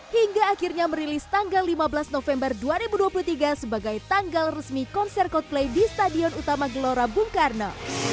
hingga akhirnya merilis tanggal lima belas november dua ribu dua puluh tiga sebagai tanggal resmi konser coldplay di stadion utama gelora bung karno